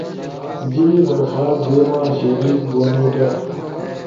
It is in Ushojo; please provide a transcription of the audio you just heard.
جیِبی درخواست دیما، شریک بونو در